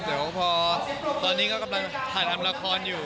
เดี๋ยวพอตอนนี้ก็กำลังถ่ายทำละครอยู่